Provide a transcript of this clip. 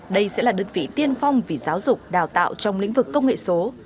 đây sẽ là đơn vị tiên phong vì giáo dục đào tạo trong lĩnh vực công nghệ số